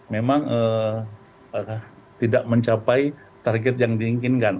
memang tidak mencapai target yang diinginkan